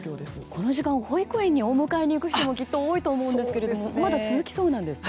この時間保育園にお迎えに行く人も多いと思いますがまだ続きそうなんですか？